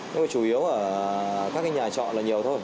nhưng mà chủ yếu ở các nhà chọn là nhiều thôi